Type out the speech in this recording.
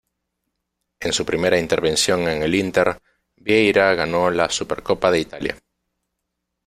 En su primera intervención en el Inter, Vieira ganó la Supercopa de Italia.